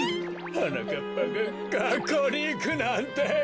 はなかっぱががっこうにいくなんて。